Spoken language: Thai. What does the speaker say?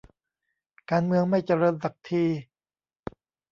การเมืองไม่เจริญสักที